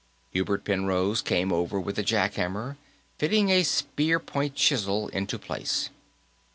Hubert Penrose came over with the jack hammer, fitting a spear point chisel into place.